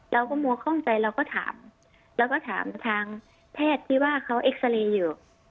เราก็มัวคล่องใจเราก็ถามเราก็ถามทางแพทย์ที่ว่าเขาเอ็กซาเรย์อยู่